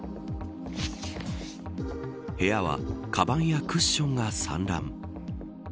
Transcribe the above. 部屋はかばんやクッションが散乱。